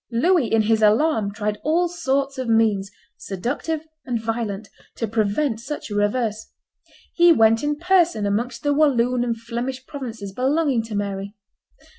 Louis in his alarm tried all sorts of means, seductive and violent, to prevent such a reverse. He went in person amongst the Walloon and Flemish provinces belonging to Mary.